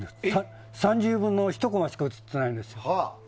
３０分の１コマしか映ってないんです。